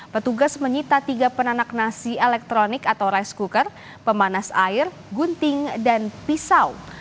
petugas menyita tiga penanak nasi elektronik atau rice cooker pemanas air gunting dan pisau